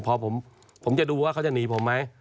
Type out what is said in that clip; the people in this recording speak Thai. พอผมจะดูว่าเขาจะหนีผมไหม